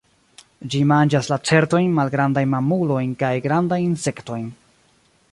Ĝi manĝas lacertojn, malgrandajn mamulojn kaj grandajn insektojn.